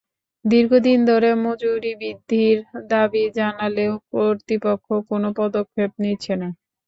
দীর্ঘদিন ধরে মজুরি বৃদ্ধির দাবি জানালেও কর্তৃপক্ষ কোনো পদক্ষেপ নিচ্ছে না।